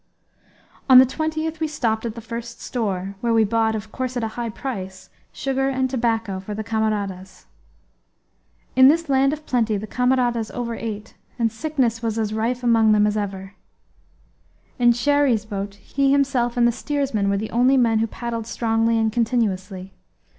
On the 20th we stopped at the first store, where we bought, of course at a high price, sugar and tobacco for the camaradas. In this land of plenty the camaradas over ate, and sickness was as rife among them as ever. In Cherrie's boat he himself and the steersman were the only men who paddled strongly and continuously.